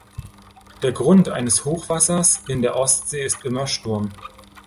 Der Grund eines Hochwassers in der Ostsee ist immer Sturm.